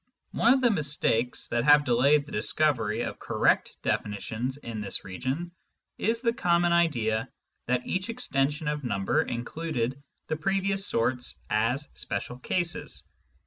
One of the mistakes that have delayed the discovery of correct definitions in this region is the common idea that each extension of number included the previous sorts as special cases.